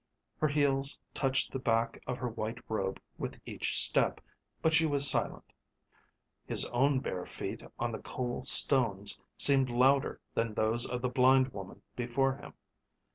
Her heels touched the back of her white robe with each step, but she was silent. His own bare feet on the cool stones seemed louder than those of the blind woman before him.